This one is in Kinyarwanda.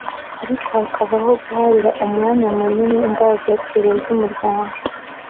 ariko hakabaho guharira umwanya munini indangagaciro z’umuryango